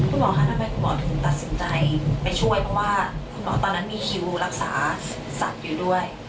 คุณหมอคะทำไมคุณหมอถึงตัดสินใจไปช่วยเพราะว่าคุณหมอตอนนั้นมีคิวรักษาสัตว์อยู่ด้วย